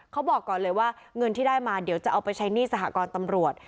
เขาบอกก่อนเลยว่าเงินที่ได้มาเดี๋ยวจะเอาไปใช้หนี้สหกรตำรวจ